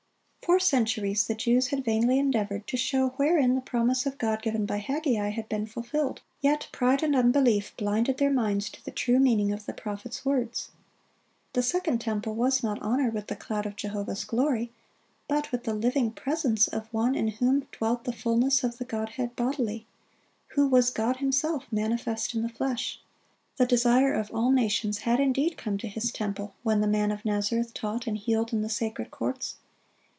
For centuries the Jews had vainly endeavored to show wherein the promise of God given by Haggai, had been fulfilled; yet pride and unbelief blinded their minds to the true meaning of the prophet's words. The second temple was not honored with the cloud of Jehovah's glory, but with the living presence of One in whom dwelt the fulness of the Godhead bodily—who was God Himself manifest in the flesh. The "Desire of all nations" had indeed come to His temple when the Man of Nazareth taught and healed in the sacred courts.